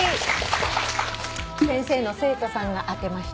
先生の生徒さんが当てました。